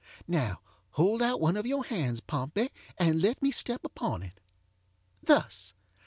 Now, hold out one of your hands, Pompey, and let me step upon itŌĆöthus.